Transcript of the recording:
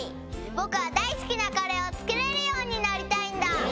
ぼくはだいすきなカレーをつくれるようになりたいんだ。